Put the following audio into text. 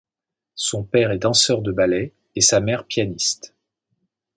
Son père est danseur de ballet et sa mère pianiste.